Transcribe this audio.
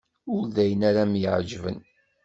Ur d ayen ara m-iεeǧben.